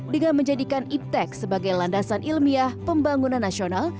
dengan menjadikan iptek sebagai landasan ilmiah pembangunan nasional